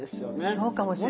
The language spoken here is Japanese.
そうかもしれない。